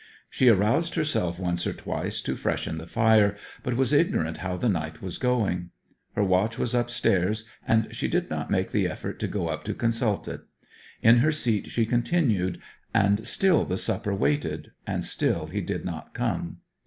She aroused herself once or twice to freshen the fire, but was ignorant how the night was going. Her watch was upstairs and she did not make the effort to go up to consult it. In her seat she continued; and still the supper waited, and still he did not come.